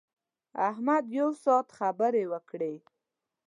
احمد یو ساعت خبرې وکړې.